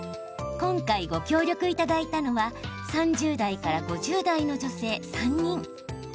今回、ご協力いただいたのは３０代から５０代の女性３人。